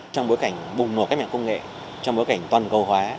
trong bối cảnh bùng nổ cách mạng công nghệ trong bối cảnh toàn cầu hóa